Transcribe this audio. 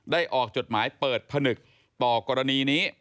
ออกจดหมายเปิดผนึกต่อกรณีนี้